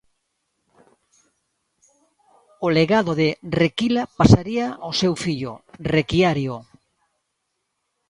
O legado de Requila pasaría a seu fillo, Requiario.